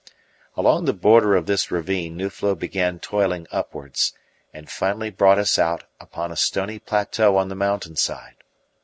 Along the border of this ravine Nuflo began toiling upwards, and finally brought us out upon a stony plateau on the mountain side.